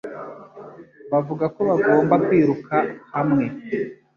Bavuga ko bagomba kwiruka hamwe,